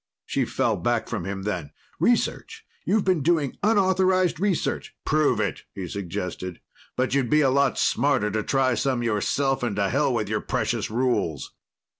She fell back from him then. "Research! You've been doing unauthorized research!" "Prove it," he suggested. "But you'd be a lot smarter to try some yourself, and to hell with your precious rules."